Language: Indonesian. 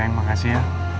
sayang makasih ya